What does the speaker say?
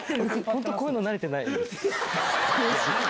本当こういうの慣れてない。